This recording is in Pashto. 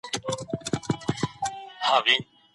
رسول الله د بلنې په اړه څه وينا کړې ده؟